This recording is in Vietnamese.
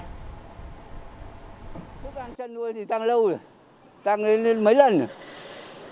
thức ăn chăn nuôi thì tăng lâu rồi tăng lên mấy lần rồi